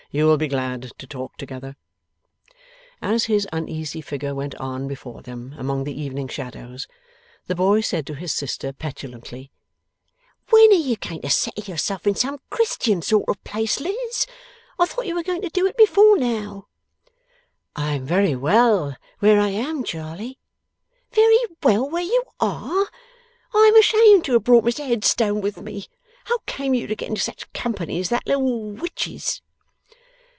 'You will be glad to talk together.' As his uneasy figure went on before them among the evening shadows, the boy said to his sister, petulantly: 'When are you going to settle yourself in some Christian sort of place, Liz? I thought you were going to do it before now.' 'I am very well where I am, Charley.' 'Very well where you are! I am ashamed to have brought Mr Headstone with me. How came you to get into such company as that little witch's?